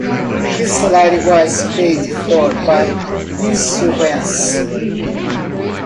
His salary was paid for by insurance.